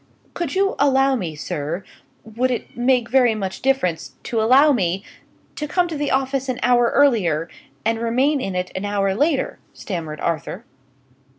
"Could you allow me, sir would it make very much difference to allow me to come to the office an hour earlier, and remain in it an hour later?" stammered Arthur.